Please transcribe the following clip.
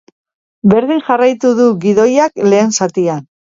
Berdin jarraitu du gidoiak lehen zatian.